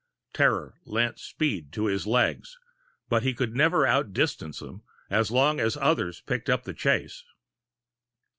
Terror lent speed to his legs, but he could never outdistance them, as long as others picked up the chase.